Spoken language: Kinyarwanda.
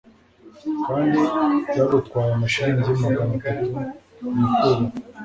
kandi byagutwaye amashiringi magana atatu, nyakubahwa